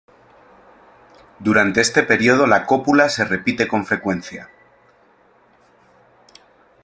Durante este período la cópula se repite con frecuencia.